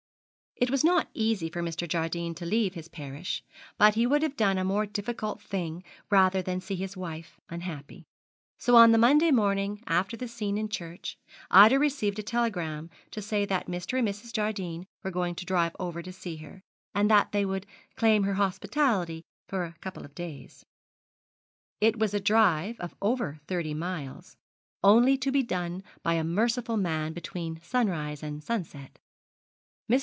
It was not easy for Mr. Jardine to leave his parish, but he would have done a more difficult thing rather than see his wife unhappy; so on the Monday morning after that scene in the church, Ida received a telegram to say that Mr. and Mrs. Jardine were going to drive over to see her, and that they would claim her hospitality for a couple of days. It was a drive of over thirty miles, only to be done by a merciful man between sunrise and sunset. Mr.